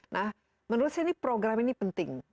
nah menurut saya ini program ini penting